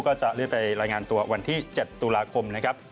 ก็จะเลื่อนไปรายงานตัววันที่๗ตุลาคมนะครับ